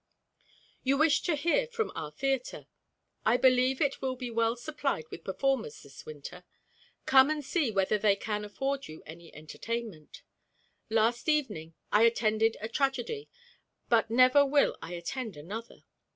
You wish to hear from our theatre. I believe it will be well supplied with performers this winter. Come and see whether they can afford you any entertainment. Last evening I attended a tragedy; but never will I attend another.